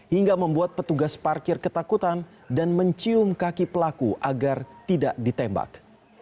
hingga membuat petugas parkir ketakutan dan mencium kaki pelaku agar tidak ditembak